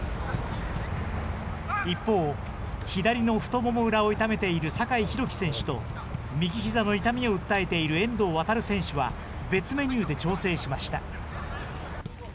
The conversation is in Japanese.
一方、左の太もも裏を痛めている酒井宏樹選手と、右ひざの痛みを訴えている遠藤航選手は、別メニューで調整しました。